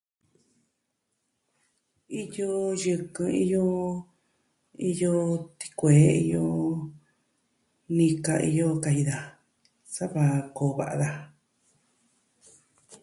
Iyo yɨkɨn, iyo... iyo tikuee, iyo nika, iyo kaji daa sa kua'an ko'o va'a daja.